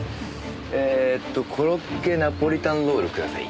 えっとコロッケナポリタンロールください。